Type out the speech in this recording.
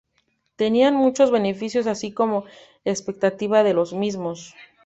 Tenían muchos beneficios así como expectativa de los mismos.